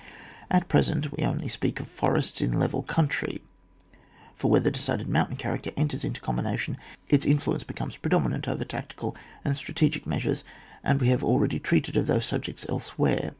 At present we only speak of forests in level country, for where the decided mountain character enters into combina tion, its influence becomes predominant over tactical and strategic measures, and we have already treated of those subjects elsewhere.